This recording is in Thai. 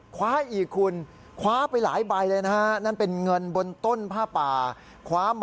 คว้าอีกคุณคว้าไปหลายใบเลยนะฮะนั่นเป็นเงินบนต้นผ้าป่า